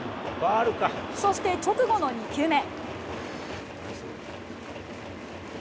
そして直後の２球目。